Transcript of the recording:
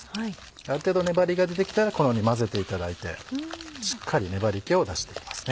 ある程度粘りが出てきたらこのように混ぜていただいてしっかり粘り気を出していますね。